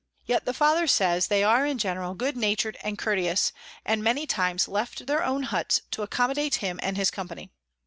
Yet the Father says they are in general good natur'd and courteous, and many times left their own Hutts to accommodate him and his Company.